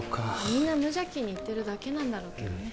みんな無邪気に言ってるだけなんだろうけどね